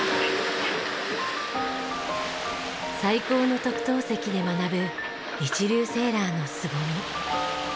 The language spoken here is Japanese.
最高の特等席で学ぶ一流セーラーのすごみ。